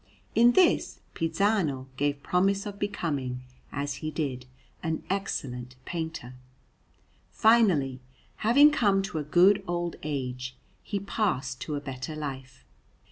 In this Pisano gave promise of becoming, as he did, an excellent painter. Finally, having come to a good old age, he passed to a better life.